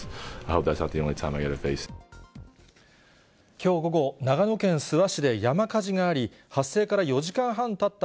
きょう午後、長野県諏訪市で山火事があり、発生から４時間半たった